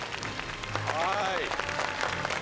はい。